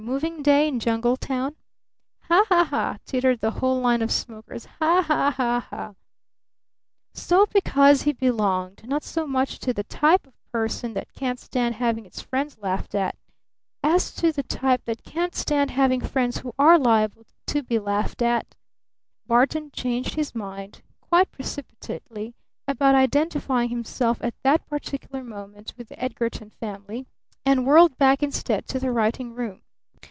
"Moving Day in Jungle Town?" "Ha! Ha! Ha!" tittered the whole line of smokers. "Ha! Ha! Ha! Ha! Ha!" So, because he belonged, not so much to the type of person that can't stand having its friends laughed at, as to the type that can't stand having friends who are liable to be laughed at, Barton changed his mind quite precipitately about identifying himself at that particular moment with the Edgarton family, and whirled back instead to the writing room.